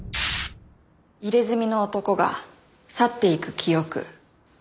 入れ墨の男が去っていく記憶。